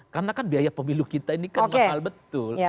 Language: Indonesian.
karena kan biaya pemilu kita ini kan mahal betul